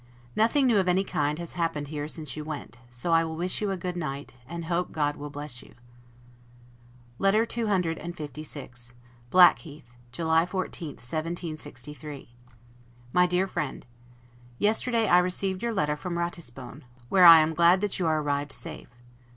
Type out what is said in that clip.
Nothing new of any kind has happened here since you went; so I will wish you a good night, and hope God will bless you. LETTER CCLVI BLACKHEATH, July 14, 1763 MY DEAR FRIEND: Yesterday I received your letter from Ratisbon, where I am glad that you are arrived safe.